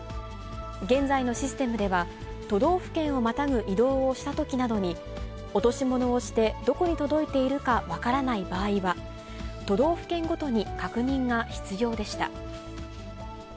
現在のシステムでは、都道府県をまたぐ移動をしたときなどに、落とし物をして、どこに届いているか分からない場合は、都道府県ごとに確認が必要でした。